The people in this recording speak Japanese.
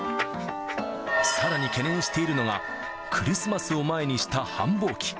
さらに懸念しているのが、クリスマスを前にした繁忙期。